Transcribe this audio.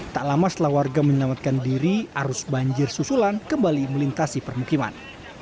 tak lama setelah warga menyelamatkan diri arus banjir susulan kembali melintasi permukiman